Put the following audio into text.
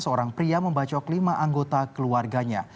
seorang pria membacok lima anggota keluarganya